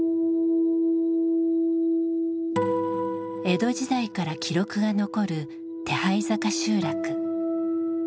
江戸時代から記録が残る手這坂集落。